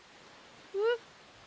えっ？